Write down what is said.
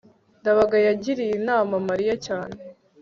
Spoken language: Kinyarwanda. ndabaga yagiriye nabi mariya cyane